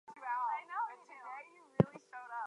Helms became the city news editor of The Raleigh Times.